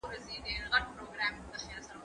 زه اجازه لرم چي واښه راوړم،